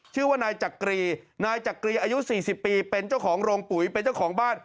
ชื่อว่านายจักรีนายจักรีอายุ๔๐ปีเป็นเจ้าของโรงปุ๋ยเป็นเจ้าของบ้าน